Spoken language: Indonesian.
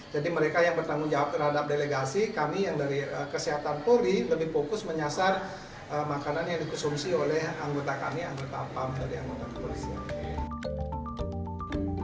jadi mereka yang bertanggung jawab terhadap delegasi kami yang dari kesehatan polri lebih fokus menyasar makanan yang dikonsumsi oleh anggota kami anggota pam dari anggota polisi